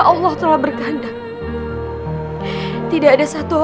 hamil perasaan bahagia itu